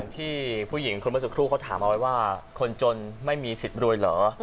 ที่ผู้หญิงคนเมื่อสักครู่เขาถามเอาไว้ว่าคนจนไม่มีสิทธิ์รวยเหรอ